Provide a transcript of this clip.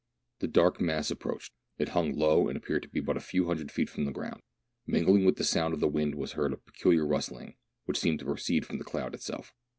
The dark mass approached. It hung low and appeared to be but a few hundred feet from the ground. Mingling with the sound of the wind was heard a peculiar rustling, which seemed to proceed from the cloud itself.